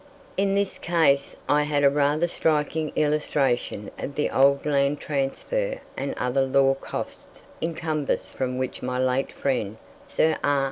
In this case I had a rather striking illustration of the old land transfer and other law costs incubus from which my late friend Sir R.